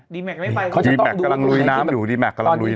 ดีแมคกำลังลุยน้ำอยู่ดีแมคกำลังลุยน้ำ